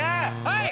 はい！